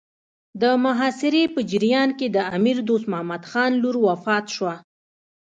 د محاصرې په جریان کې د امیر دوست محمد خان لور وفات شوه.